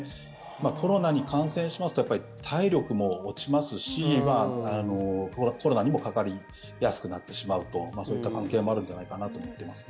コロナに感染しますとやっぱり体力も落ちますしコロナにもかかりやすくなってしまうとそういった関係もあるんじゃないかと思ってます。